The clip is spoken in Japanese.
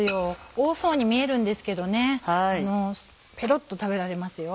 多そうに見えるんですけどペロっと食べられますよ。